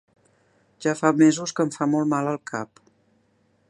Ja fa mesos que em fa molt mal el cap.